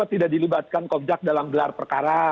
tidak dilibatkan komjak dalam gelar perkara